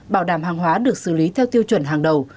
bảo đảm hàng hóa được xử lý theo tiêu chuẩn hàng đầu